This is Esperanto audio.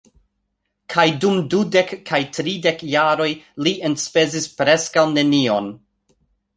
Kaj, dum dudek kaj tridek jaroj, li enspezis preskaŭ nenion.